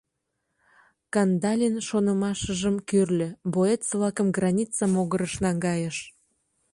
— Кандалин шонымашыжым кӱрльӧ, боец-влакым граница могырыш наҥгайыш.